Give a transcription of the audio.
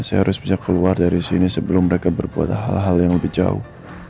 saya harus bisa keluar dari sini sebelum mereka berbuat hal hal yang lebih jauh